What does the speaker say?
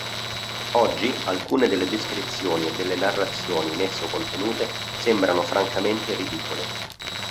Oggi alcune delle descrizioni e delle narrazioni in esso contenute sembrano francamente ridicole.